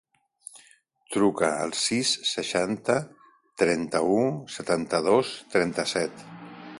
Truca al sis, seixanta, trenta-u, setanta-dos, trenta-set.